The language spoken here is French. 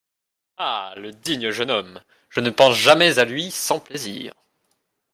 Ah ! le digne jeune homme ! je ne pense jamais à lui sans plaisir.